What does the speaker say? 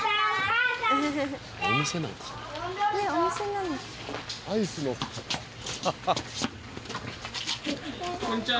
ああこんにちは。